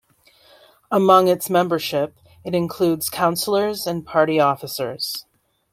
Among its membership, it includes councillors and party officers.